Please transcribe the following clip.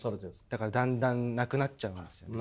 だからだんだんなくなっちゃうんですよね。